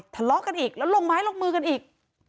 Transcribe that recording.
ทะเลาะกันอีกแล้วลงไม้ลงมือกันอีก